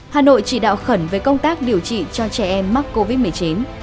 hà nội chỉ đạo khẩn về công tác điều trị cho trẻ em mắc covid một mươi chín